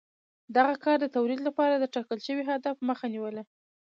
دغه کار د تولید لپاره د ټاکل شوي هدف مخه نیوله